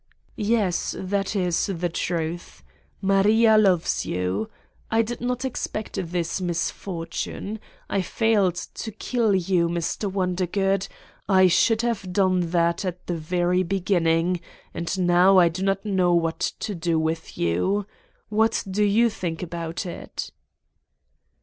"Yes, that is the truth: Maria loves you. I did not expect this misfortune. I failed to kill you, Mr. Wondergood. I should have done that at the very beginning and now I do not know what to do with you. What do you think about it!"